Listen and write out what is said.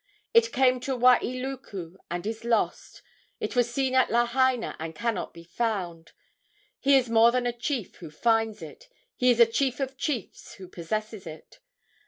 It came to Wailuku and is lost, It was seen at Lahaina and cannot be found. He is more than a chief who finds it, He is a chief of chiefs who possesses it.